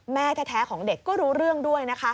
แม่แท้ของเด็กก็รู้เรื่องด้วยนะคะ